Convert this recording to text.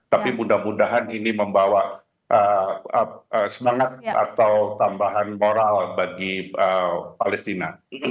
tapi mudah mudahan ini membawa semangat atau tambahan moral bagi palestina